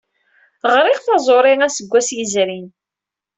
Ɣriɣ taẓuri aseggas yezrin.